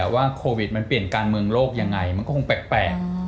ว่าโควิดมันเปลี่ยนการเมืองโลกยังไงมันก็คงแปลก